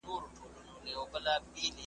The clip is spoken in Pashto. ځاي پر ځای به وي ولاړي ټولي ژرندي ,